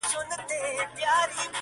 اوس به د چا په سترګو وینم د وصال خوبونه-